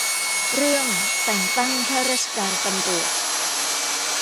เรื่อง แต่งตั้งข้าราชการตำรวจ